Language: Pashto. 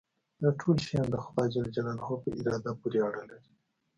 دا ټول شیان د خدای په اراده پورې اړه لري.